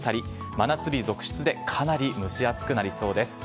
真夏日続出で、かなり蒸し暑くなりそうです。